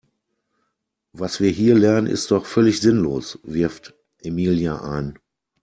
Was wir hier lernen ist doch völlig sinnlos, wirft Emilia ein.